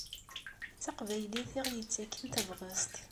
D taqbaylit i ɣ-yettaken tabɣest.